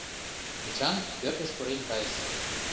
Эчан пӧртыш пурен кайыш.